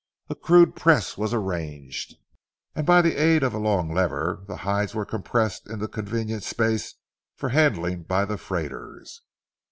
A crude press was arranged, and by the aid of a long lever the hides were compressed into convenient space for handling by the freighters.